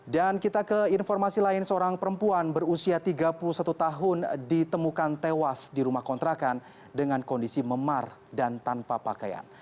dan kita ke informasi lain seorang perempuan berusia tiga puluh satu tahun ditemukan tewas di rumah kontrakan dengan kondisi memar dan tanpa pakaian